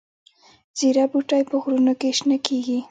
زیره بوټی په غرونو کې شنه کیږي؟